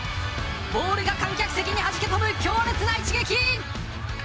ボールが観客席にはじけ飛ぶ強烈な一撃。